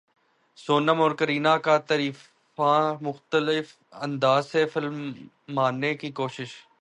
سونم اور کرینہ کا تعریفاں مختلف انداز سے فلمانے کی کوشش